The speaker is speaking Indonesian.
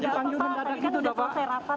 dimanggil menda depan